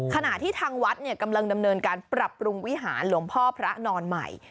ขณะที่ทางวัดกำลังดำเนินการปรับปรุงวิหารหลวงพ่อพระนอนใหม่